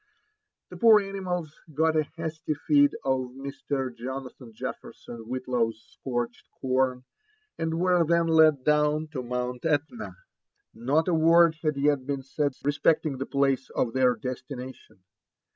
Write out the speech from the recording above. The poor animals got a hasty feed of Mr. Jonathan Jefferson Whit law's scorched corn, and were then led down to Mount Etna. Not a word had yet been said respecting the place of their destination.